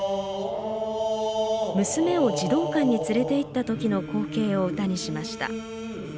娘を児童館に連れて行った時の光景を歌にしました。